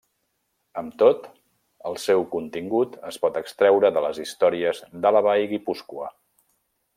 Amb tot, el seu contingut es pot extreure de les històries d'Àlaba i Guipúscoa.